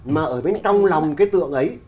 mà ở bên trong lòng cái tượng ấy